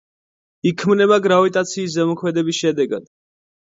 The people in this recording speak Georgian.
იქმნება გრავიტაციის ზემოქმედების შედეგად.